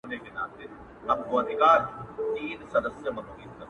د خرې څټه ورکه شه، د ښځي گټه ورکه شه.